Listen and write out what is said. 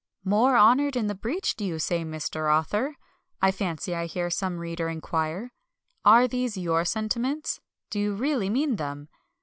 "'More honoured in the breach,' do you say, Mr. Author?" I fancy I hear some reader inquire. "Are these your sentiments? Do you really mean them?"